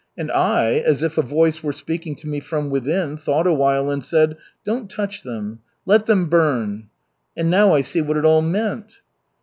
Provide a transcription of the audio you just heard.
And I, as if a voice were speaking to me from within, thought a while and said: 'Don't touch them. Let them burn.' And now I see what it all meant."